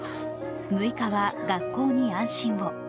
６日は学校に安心を。